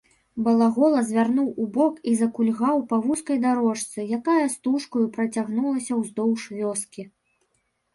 Балагола звярнуў убок і закульгаў па вузкай дарожцы, якая стужкаю працягнулася ўздоўж вёскі.